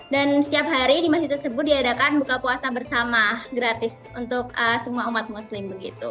dan setiap hari di masjid tersebut diadakan buka puasa bersama gratis untuk semua umat muslim begitu